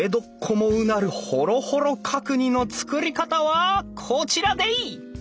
もうなるホロホロ角煮の作り方はこちらでい！